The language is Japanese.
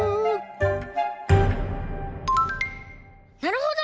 なるほど！